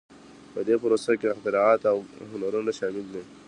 په دې پروسه کې اختراعات او هنرونه شامل دي.